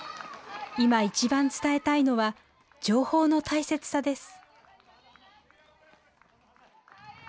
今一番伝えたいのは情報の大切さです。